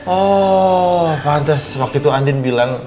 oh lantas waktu itu andin bilang